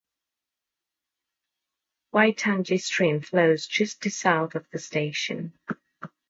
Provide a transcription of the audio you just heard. Waitangi Stream flows just to the south of the station.